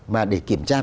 mà để kiểm tra